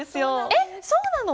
えっそうなの！？